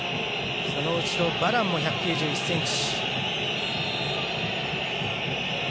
その後ろ、バランも１９６ｃｍ。